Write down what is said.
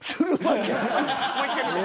もう１回見て。